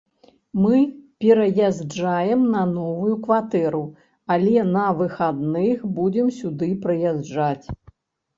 Мы пераязджаем на новую кватэру, але на выхадных будзем сюды прыязджаць.